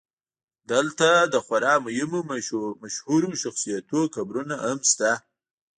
دلته د خورا مهمو مشهورو شخصیتونو قبرونه هم شته.